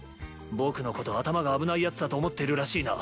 ぼくのこと頭があぶないヤツだと思ってるらしいな！！